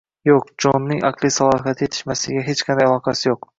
Yo‘q! Djosgning aqliy salohiyat yetishmasligiga hech qanday aloqasi yo‘q.